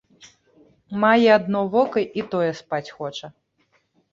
Мае адно вока і тое спаць хоча.